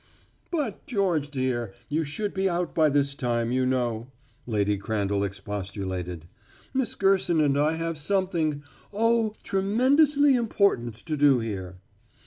"But, George, dear, you should be out by this time, you know," Lady Crandall expostulated. "Miss Gerson and I have something oh, tremendously important to do here."